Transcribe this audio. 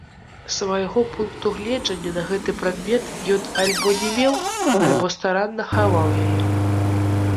Свайго пункту гледжання на гэты прадмет ён альбо не меў, альбо старанна хаваў яе.